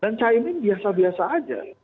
dan cahimin biasa biasa aja